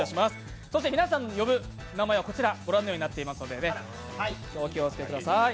そして皆さんを呼ぶ名前はこちらご覧のようになっていますのでお気をつけください。